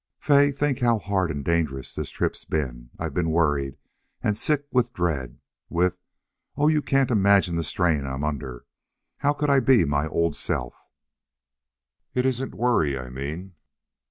"Fay, think how hard and dangerous the trip's been! I've been worried and sick with dread with Oh, you can't imagine the strain I'm under! How could I be my old self?" "It isn't worry I mean."